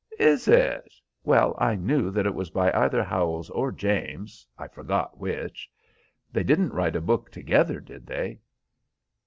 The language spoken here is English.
"Is it? Well, I knew that it was by either Howells or James, I forgot which. They didn't write a book together, did they?"